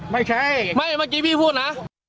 ไม่ใช่ไม่เมื่อกี้พี่พูดนะ